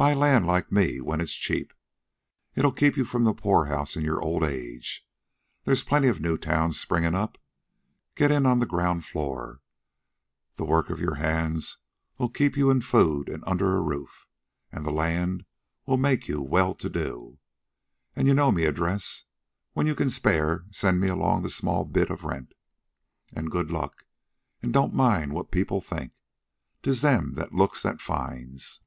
Buy land, like me, when it's cheap. It'll keep you from the poorhouse in your old age. There's plenty of new towns springin' up. Get in on the ground floor. The work of your hands'll keep you in food an' under a roof, an' the land 'll make you well to do. An' you know me address. When you can spare send me along that small bit of rent. An' good luck. An' don't mind what people think. 'Tis them that looks that finds."